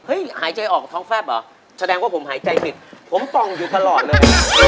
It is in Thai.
หายใจออกท้องแฟบเหรอแสดงว่าผมหายใจผิดผมป่องอยู่ตลอดเลย